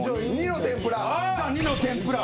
弐の天ぷら。